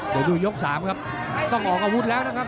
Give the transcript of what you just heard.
เดี๋ยวดูยก๓ครับต้องออกอาวุธแล้วนะครับ